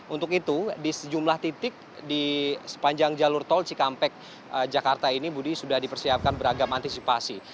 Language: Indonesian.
untuk itu di sejumlah titik di sepanjang jalur tol cikampek jakarta ini budi sudah dipersiapkan beragam antisipasi